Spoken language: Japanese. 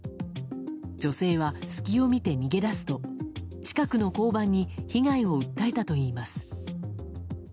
女性は隙を見て逃げ出すと近くの交番に被害を訴えたといいます。